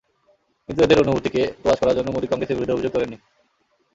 কিন্তু এঁদের অনুভূতিকে তোয়াজ করার জন্য মোদি কংগ্রেসের বিরুদ্ধে অভিযোগ তোলেননি।